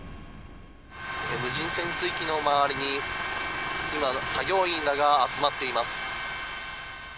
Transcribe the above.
無人潜水機の周りに今、作業員らが集まっています。